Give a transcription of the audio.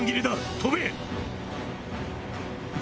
飛べ！